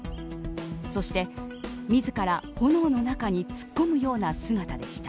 そして、自ら炎の中に突っ込むような姿でした。